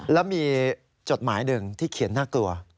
แล้วมีจดหมายหนึ่งที่เขียนน่ากลัว